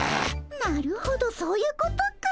なるほどそういうことかい。